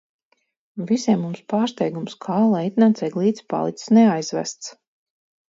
Visiem mums pārsteigums, kā leitnants Eglītis palicis neaizvests?